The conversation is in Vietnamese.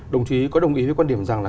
đồng chí có đồng ý với quan điểm rằng là